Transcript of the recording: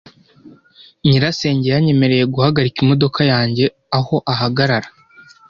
Nyirasenge yanyemereye guhagarika imodoka yanjye aho ahagarara.